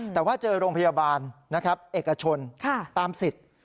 แต่ว่าเจอโรงพยาบาลนะครับเอกชนตามสิทธิ์